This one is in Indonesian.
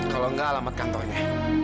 kalau enggak alamat kantornya